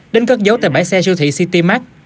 đến cất giấu tại bãi xe siêu thị citymax